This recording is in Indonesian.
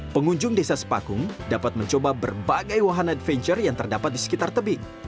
pengunjung desa sepakung dapat mencoba berbagai wahana adventure yang terdapat di sekitar tebing